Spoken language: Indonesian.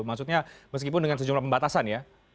maksudnya meskipun dengan sejumlah pembatasan ya